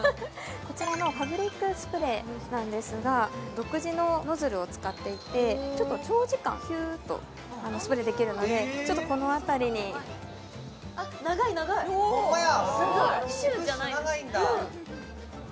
こちらのファブリックスプレーなんですが独自のノズルを使っていてちょっと長時間ひゅーっとスプレーできるのでちょっとこの辺りにあっ長い長いホンマや！